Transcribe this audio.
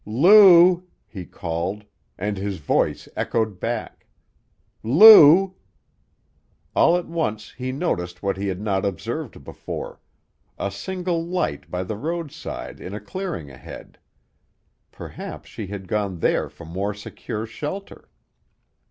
"Lou!" he called, and his voice echoed back. "Lou!" All at once he noticed what he had not observed before a single light by the roadside in a clearing ahead. Perhaps she had gone there for more secure shelter.